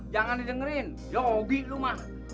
jangan didengerin yogi lu mah